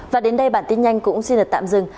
và đến đây bản tin nhanh cũng xin được tạm dừng